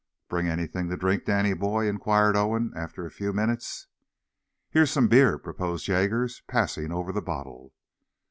"Bring anything to drink, Danny boy?" inquired Owen, after a few minutes. "Here's some beer," proposed Jaggers, passing over the bottle.